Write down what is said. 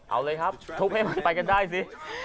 เอาเลยครับทุกข์ให้มันไปกันได้สิ